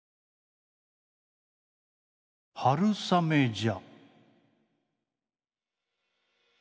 「春雨じゃ」。